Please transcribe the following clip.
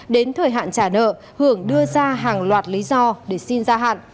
đến thời hạn trả nợ hưởng đưa ra hàng loạt lý do để xin gia hạn